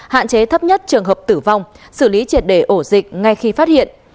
hạn chế thấp nhất trường hợp tử vong xử lý triệt đề ổ dịch ngay khi phát hiện